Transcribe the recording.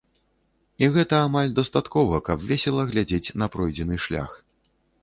І гэта амаль дастаткова, каб весела глядзець на пройдзены шлях.